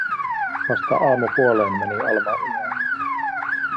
Vasta aamupuoleen meni Alma uneen.